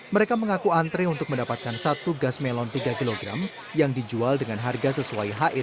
mereka mengaku antre untuk mendapatkan satu gas melon tiga kg yang dijual dengan harga sesuai het yakni rp enam belas